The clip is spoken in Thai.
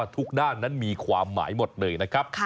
ทุกด้านนั้นมีความหมายหมดเลยนะครับ